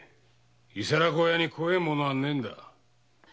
伊皿子屋に怖えものはねえんだ。